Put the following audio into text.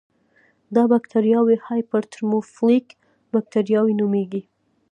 دا بکټریاوې هایپر ترموفیلیک بکټریاوې نومېږي.